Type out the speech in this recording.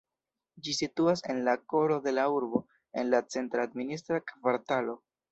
Ĝi situas en la koro de la urbo en la centra administra kvartalo.